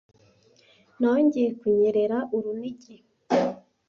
Nongeye kunyerera urunigi,